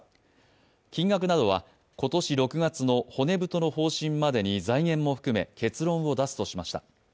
金額などは今年６月の骨太の方針までに財源も含め結論を出すとしました。